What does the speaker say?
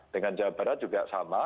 dengan jawa barat juga sama